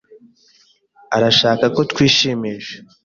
arashaka ko twishimisha.